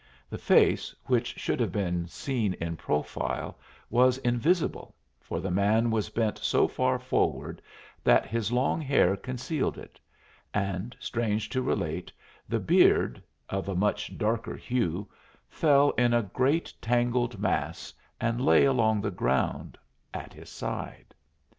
The face, which should have been seen in profile, was invisible, for the man was bent so far forward that his long hair concealed it; and, strange to relate, the beard, of a much darker hue, fell in a great tangled mass and lay along the ground at his side.